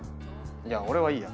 いや俺はいいや。